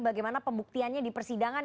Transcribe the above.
bagaimana pembuktiannya di persidangan